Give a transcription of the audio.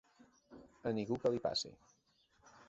A ningú que li passe!